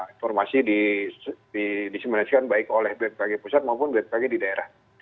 informasi disimulasikan baik oleh bmkg pusat maupun bmkg di daerah